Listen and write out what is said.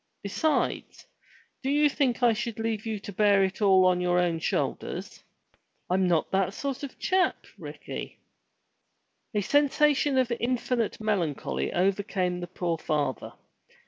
Besides, do you think I should leave you to bear it all on your own shoulders? I'm not that sort of a chap, Ricky." A sensation of infinite melancholy overcame the poor father.